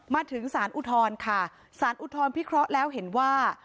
มาถึงสารอุทธรณ์ค่ะสารอุทธรณพิเคราะห์แล้วเห็นว่า